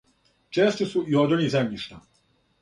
Чести су и одрони земљишта.